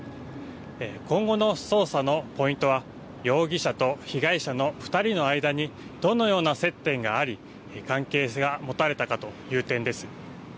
今後の捜査のポイントは容疑者と被害者の２人の間にどのような接点があり、関係性が持たれたかという点です。